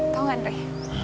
tau gak dwi